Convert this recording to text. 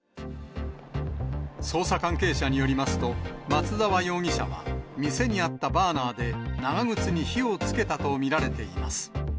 捜査関係者によりますと、松沢容疑者は店にあったバーナーで、長靴に火をつけたと見られています。